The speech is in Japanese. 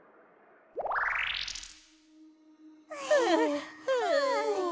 はあはあ。